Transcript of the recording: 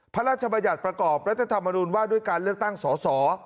พระราชบัญญัติประกอบและจะทำมารูลว่าด้วยการเลือกตั้งสอสอ